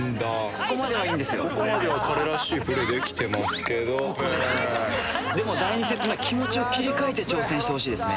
ここまでは彼らしいプレーできてますけどここですねでも第２セット目気持ちを切り替えて挑戦してほしいですね